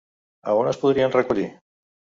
A on es podrien recollir?